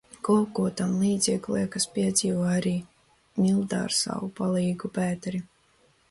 "Kaut ko tamlīdzīgu, liekas, piedzīvoja arī Milda ar savu "palīgu" Pēteri."